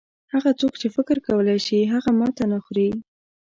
هغه څوک چې فکر کولای شي هغه ماته نه خوري.